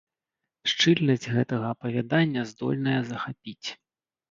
Шчыльнасць гэтага апавядання здольная захапіць.